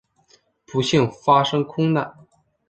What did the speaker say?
不幸发生空难。